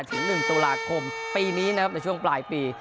ถึง๑ตุลาคมปีนี้นะครับในช่วงปลายปี